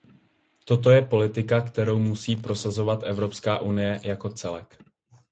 Toto je politika, kterou musí prosazovat Evropská unie jako celek.